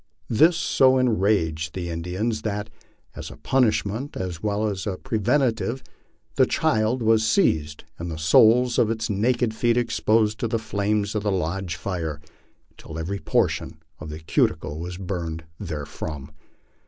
This so en raged the Indians that, as a punishment as well as preventive, the child was seized and the soles of its naked feet exposed to the flames of the lodge fire until every portion of the cuticle was burned therefrom.